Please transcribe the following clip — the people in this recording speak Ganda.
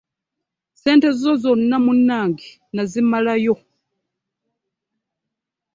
Ssente zo zonna nazimalayo munnange.